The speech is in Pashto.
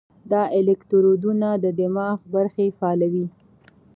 دا الکترودونه د دماغ برخې فعالوي.